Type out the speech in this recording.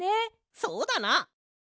そうだな。